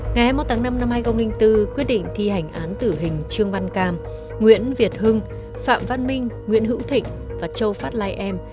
ngày hai mươi một tháng năm năm hai nghìn bốn quyết định thi hành án tử hình trương văn cam nguyễn việt hưng phạm văn minh nguyễn hữu thịnh và châu phát lai em